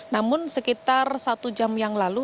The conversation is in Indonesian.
namun sekitar satu jam yang lalu